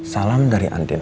salam dari antin